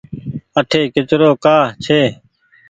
اٺي ڪچرو ڪآ ڇي ۔